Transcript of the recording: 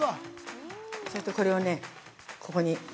それと、これをね、ここに。